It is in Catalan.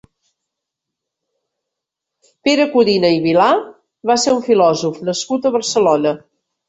Pere Codina i Vilà va ser un filòsof nascut a Barcelona.